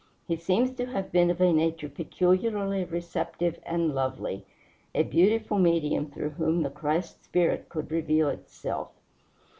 He seems to have been of a nature peculiarly receptive and lovely a beautiful medium through whom the Christ spirit could reveal itself.